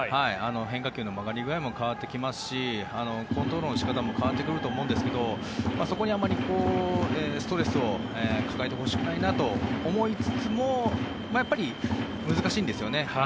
変化球の曲がり具合も変わってきますしコントロールの仕方も変わってくると思うんですけどそこにあまりストレスを抱えてほしくないなと思いつつもやっぱり難しいんですよね。